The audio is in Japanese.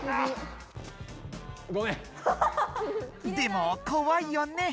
でもこわいよね。